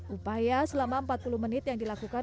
upaya selama empat puluh menit yang dilakukan